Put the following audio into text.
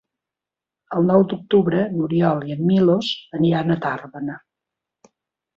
El nou d'octubre n'Oriol i en Milos aniran a Tàrbena.